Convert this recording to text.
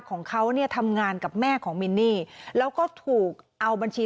ของเขาเนี่ยทำงานกับแม่ของมินนี่แล้วก็ถูกเอาบัญชี